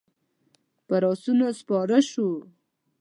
پر آسونو سپاره شوو.